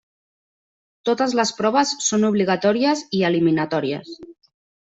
Totes les proves són obligatòries i eliminatòries.